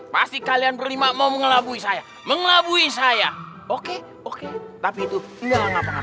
pasti kalian berlima mau mengelabui saya mengelabui saya oke oke tapi itu enggak